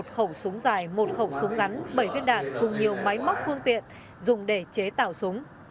một khẩu súng dài một khẩu súng ngắn bảy viên đạn cùng nhiều máy móc phương tiện dùng để chế tạo súng